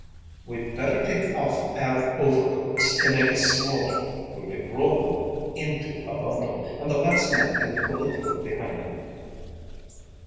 We'd better take off our overcoats, to make us smaller. We can roll thim into a bundle, and the last man can pull it through behind him."